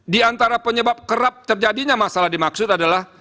di antara penyebab kerap terjadinya masalah dimaksud adalah